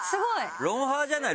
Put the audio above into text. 『ロンハー』じゃない？